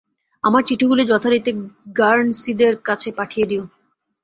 আমার চিঠিগুলি যথারীতি গার্নসিদের কাছে পাঠিয়ে দিও।